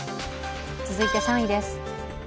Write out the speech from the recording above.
続いて３位です。